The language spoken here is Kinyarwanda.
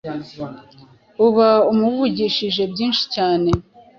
uba umuvukije byinshi cyane